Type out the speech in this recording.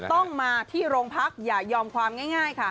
ต้องมาที่โรงพักอย่ายอมความง่ายค่ะ